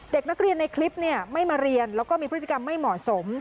เด็กนักเรียนในคลิปไม่มาเรียนแล้วก็มีพฤติกรรมไม่เหมาะสม